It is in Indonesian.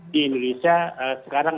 di indonesia sekarang